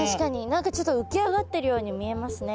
何かちょっと浮き上がってるように見えますね。